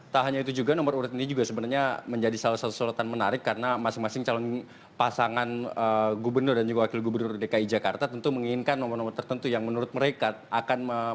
tak hanya itu juga nomor urut ini juga sebenarnya menjadi salah satu sorotan menarik karena masing masing calon pasangan gubernur dan juga wakil gubernur dki jakarta tentu menginginkan nomor nomor tertentu yang menurut mereka